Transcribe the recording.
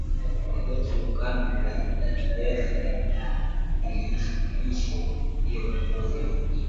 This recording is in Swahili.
wakati wa ukame Viazi lishe ndio mkombozi wa mkulima